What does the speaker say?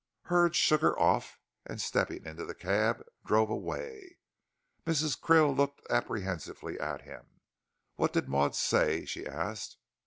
Hurd shook her off, and, stepping into the cab, drove away. Mrs. Krill looked apprehensively at him. "What did Maud say?" she asked.